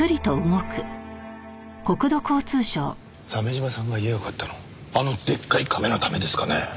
鮫島さんが家を買ったのあのでっかいカメのためですかね？